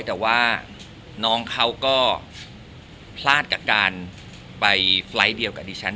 แต่ว่าน้องเขาก็พลาดกับการไปไฟล์ทเดียวกับดิฉัน